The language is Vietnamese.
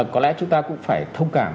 có lẽ chúng ta cũng phải thông cảm